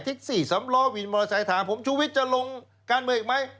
ทิกซี่ซ้ำล้อวินมอเตอร์ไทยถามผมชุวิตจะลงการเมืองอีกไหม